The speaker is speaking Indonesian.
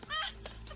mau tem enam puluh